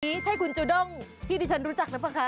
อันนี้ใช่คุณจูด้งที่ที่ฉันรู้จักแล้วป่ะคะ